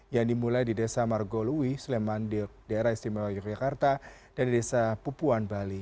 yang dimulai di desa margolui sleman daerah istimewa yogyakarta dan di desa pupuan bali